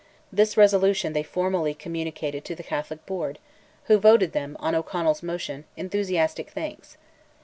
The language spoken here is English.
This resolution they formally communicated to the Catholic Board, who voted them, on O'Connell's motion, enthusiastic thanks.